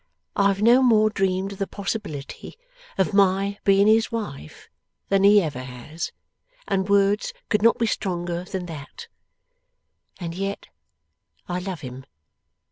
I have no more dreamed of the possibility of MY being his wife, than he ever has and words could not be stronger than that. And yet I love him.